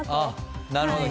なるほどね。